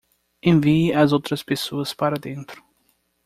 Envie as outras pessoas para dentro.